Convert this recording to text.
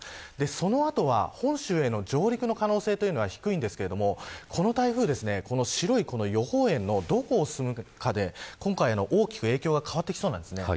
その後は本州への上陸の可能性というのは低いんですがこの台風、白い予報円のどこを進むかで今回の影響が大きく変わってきそうです。